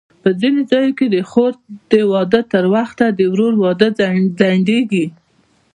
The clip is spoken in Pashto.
په ځینو ځایونو کې د خور د واده تر وخته د ورور واده ځنډېږي.